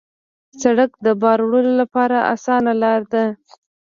سړک د بار وړلو لپاره اسانه لاره ده.